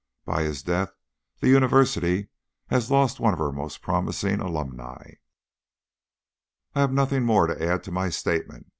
By his death the University loses one of her most promising alumni." I have nothing more to add to my statement.